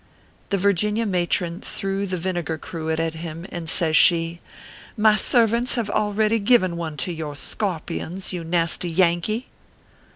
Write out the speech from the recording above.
The Virginia matron threw the vinegar cruet at him, and says she :" My servants have already given one to your scor pions, you nasty Yankee."